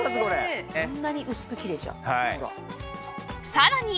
さらに！